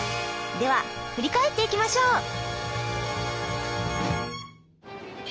では振り返っていきましょう。